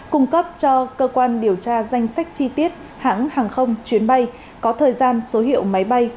cung cấp cho cơ quan điều tra danh sách chi tiết hãng hàng không chuyến bay có thời gian số hiệu máy bay